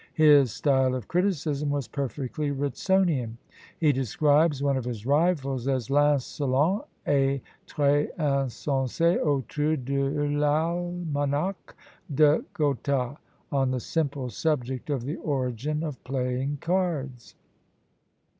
His style of criticism was perfectly Ritsonian. He describes one of his rivals as l'insolent et très insensé auteur de l'Almanach de Gotha, on the simple subject of the origin of playing cards!